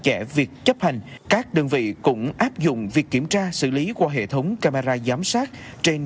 chẽ việc chấp hành các đơn vị cũng áp dụng việc kiểm tra xử lý qua hệ thống camera giám sát trên